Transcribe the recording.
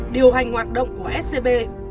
điều hành hoạt động của scb